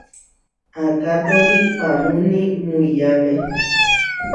Aakátori paamúni muiyáme.